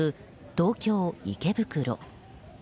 東京・池袋。